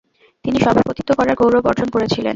তিনি সভাপতিত্ব করার গৌরব অর্জন করেছিলেন।